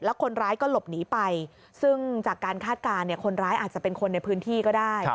คนร้ายก็หลบหนีไปซึ่งจากการคาดการณ์คนร้ายอาจจะเป็นคนในพื้นที่ก็ได้